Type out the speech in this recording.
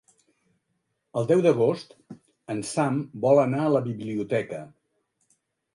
El deu d'agost en Sam vol anar a la biblioteca.